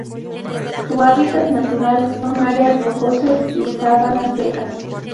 Su hábitat natural son: áreas rocosas y sabanas secas.